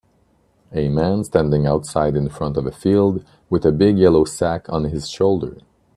A man standing outside in front of a field with a big yellow sack on his shoulder.